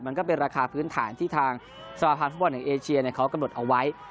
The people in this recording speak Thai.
มันก็เป็นราคาพื้นฐานที่ทางสมาภัณฑ์ฟุตบอลแห่งเอเชียเขากำหนดเอาไว้